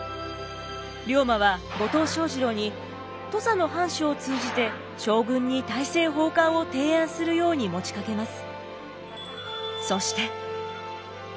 龍馬は後藤象二郎に土佐の藩主を通じて将軍に大政奉還を提案するように持ちかけます。